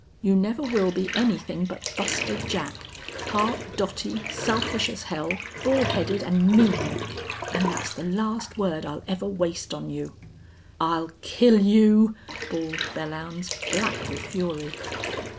You never will be anything but Buster Jack half dotty, selfish as hell, bull headed and mean!... And that's the last word I'll ever waste on you." "I'll kill you!" bawled Belllounds, black with fury.